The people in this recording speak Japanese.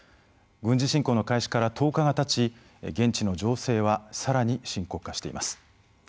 軍事侵攻の開始から１０日がたち現地の情勢はさらに深刻化しています。